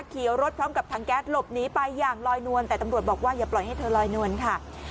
ขี่รถพร้อมกับถังแก๊สหลบหนีไปอย่างลอยนวลแต่ตำรวจบอกว่าอย่าปล่อยให้เธอลอยนวลค่ะ